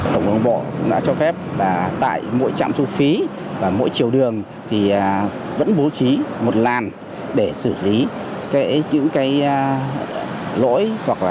tổng cục đường bộ đã cho phép tại mỗi trạm thu phí và mỗi chiều đường thì vẫn bố trí một làn để xử lý những cái lỗi